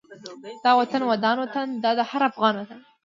دا وطن ودان وطن دا د هر افغان وطن